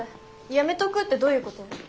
やめとくってどういうこと？